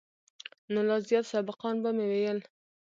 نو لا زيات سبقان به مې ويل.